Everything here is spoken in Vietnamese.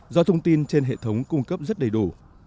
do thông tin trên hệ thống cung cấp rất đầy đủ